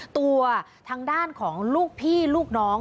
ตัวทางด้านของลูกพี่ลูกน้อง